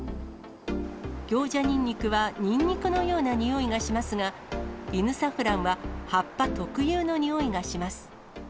ギョウジャニンニクはニンニクのような臭いがしますが、イヌサフランは葉っぱ特有の臭いがします。